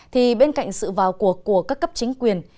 thì bên cạnh sự vào cuộc của các cấp chính quyền